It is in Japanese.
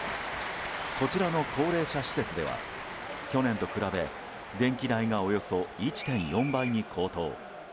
こちらの高齢者施設では去年と比べ電気代がおよそ１．４倍に高騰。